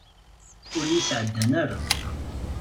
Ur yi-sεeddan ara.